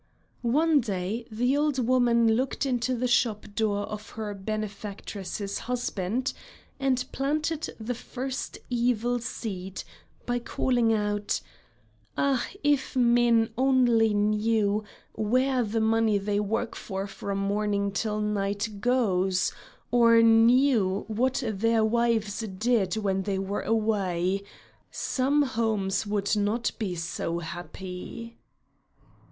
One day the old woman looked into the shop door of her benefactress's husband and planted the first evil seed by calling out: "Ah! if men only knew where the money they work for from morning till night goes, or knew what their wives did when they were away, some homes would not be so happy."